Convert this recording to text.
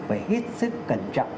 phải hết sức cẩn trọng